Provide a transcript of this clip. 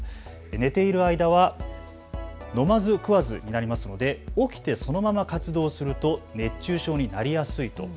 寝ている間は飲まず食わずになりますので起きてそのまま活動すると熱中症になりやすいと。